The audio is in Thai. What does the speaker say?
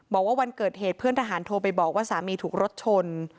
บอกว่าวันเกิดเหตุเพื่อนทหารโทรไปบอกว่าสามีถูกรถชน